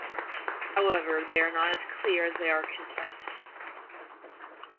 However they are not as clear as they are concise.